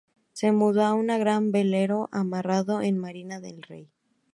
Se mudó a una gran velero amarrado en Marina del Rey.